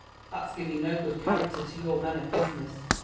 — that's giving no good character to your men of business.